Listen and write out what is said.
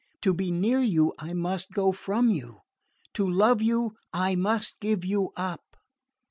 To be near you I must go from you. To love you I must give you up."